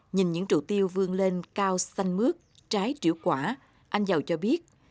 nhìn những trụ tiêu vương lên cao xanh mước trái triểu quả anh dầu cho biết